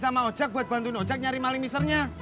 sama ojek buat bantuin ojek nyari maling misernya